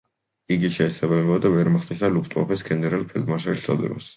იგი შეესაბამებოდა ვერმახტის და „ლუფტვაფეს“ გენერალ-ფელდმარშლის წოდებას.